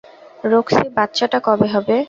Roxie, বাচ্চাটা কবে হবে?